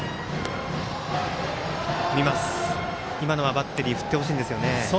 バッテリー振ってほしいんですよね。